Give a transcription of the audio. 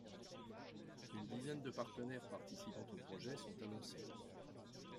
Une dizaine de partenaires participant au projet sont annoncés.